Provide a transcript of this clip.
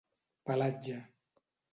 Pelatge: